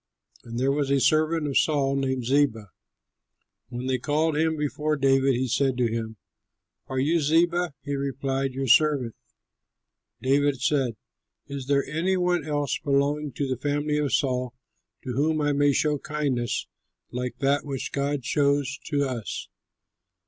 And there was a servant of Saul named Ziba. When they called him before David, he said to him, "Are you Ziba?" He replied, "Your servant." David said, "Is there any one else belonging to the family of Saul to whom I may show kindness like that which God shows to us?"